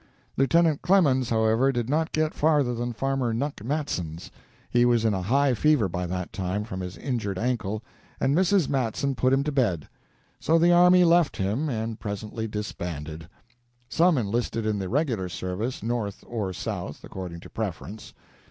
Lieutenant Clemens, however, did not get farther than Farmer Nuck Matson's. He was in a high fever by that time from his injured ankle, and Mrs. Matson put him to bed. So the army left him, and presently disbanded. Some enlisted in the regular service, North or South, according to preference.